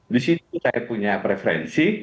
di situ saya punya preferensi